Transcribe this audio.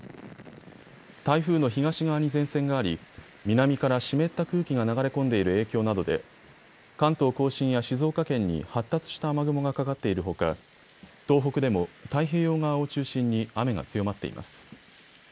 台風の東側に前線があり南から湿った空気が流れ込んでいる影響などで関東甲信や静岡県に発達した雨雲がかかっているほか東北でも太平洋側を中心に雨が強まっています。